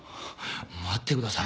待ってください。